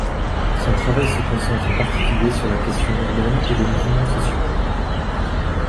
Son travail se concentre en particulier sur la question urbaine et les mouvements sociaux.